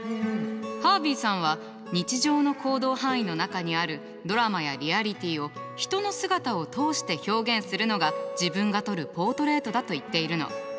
ハービーさんは日常の行動範囲の中にあるドラマやリアリティを人の姿を通して表現するのが自分が撮るポートレートだと言っているの。